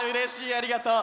ありがとう！